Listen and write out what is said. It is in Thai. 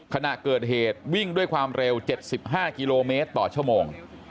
ขณะเกิดเหตุวิ่งด้วยความเร็ว๗๕กิโลเมตรต่อชั่วโมง